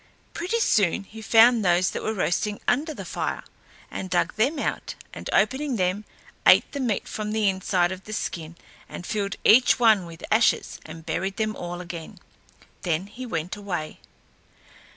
Pretty soon he found those that were roasting under the fire, and dug them out, and opening them, ate the meat from the inside of the skin and filled each one with ashes and buried them all again. Then he went away.